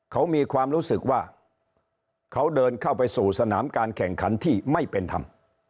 เขามีความรู้สึกว่าเขาเดินเข้าไปสู่สนามการแข่งขันที่ไม่เป็นธรรม